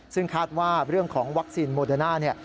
ซึ่งคาดว่าร่วงของวัคซีนโมเดน่า